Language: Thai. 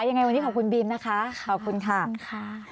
ยังไงวันนี้ขอบคุณบีมนะคะขอบคุณค่ะ